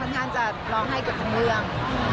ค่อนข้างจะร้องไห้กับทั้งเรื่อง